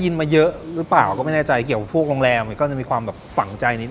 ก็คือพวกโรงแรมสงสัยว่าไม่ได้